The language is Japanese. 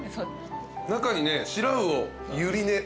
中にねシラウオユリ根。